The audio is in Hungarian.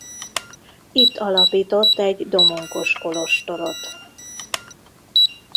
Itt alapított egy domonkos kolostorot.